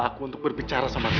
aku untuk berbicara sama kamu